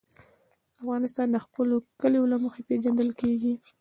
افغانستان د خپلو کلیو له مخې پېژندل کېږي.